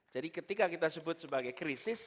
jadi ketika kita sebut sebagai krisis